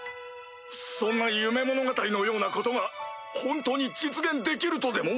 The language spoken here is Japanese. そんな夢物語のようなことが本当に実現できるとでも？